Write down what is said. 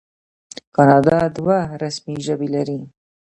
کاناډا دوه رسمي ژبې لري.